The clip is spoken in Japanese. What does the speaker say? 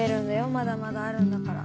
まだまだあるんだから。